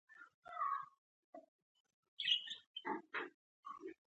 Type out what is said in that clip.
تودوخه د افغانستان د بشري فرهنګ برخه ده.